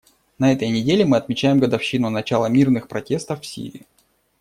На этой неделе мы отмечаем годовщину начала мирных протестов в Сирии.